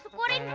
wah sudah sama